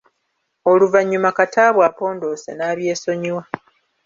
Oluvannyuma Kataabu apondoose n’abyesonyiwa.